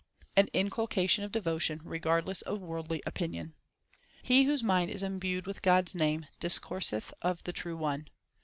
1 An inculcation of devotion regardless of worldly opinion : He whose mind is imbued with God s name discourseth of the True One.